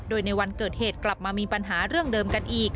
โดยในวันเกิดเหตุกลับมามีปัญหาเรื่องเดิมกันอีก